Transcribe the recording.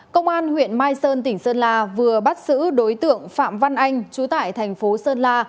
công an huyện mai sơn tỉnh sơn la vừa bắt giữ đối tượng phạm văn anh chú tại thành phố sơn la